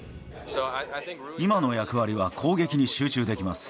今の役割は攻撃に集中できます。